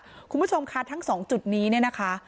กันเยอะมากคุณผู้ชมค่ะทั้งสองจุดนี้เนี่ยนะคะ